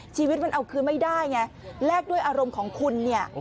ชีวิตมันเอาคืนไม่ได้ไงแลกด้วยอารมณ์ของคุณเนี่ย